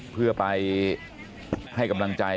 เพื่อไปให้กำลังใจ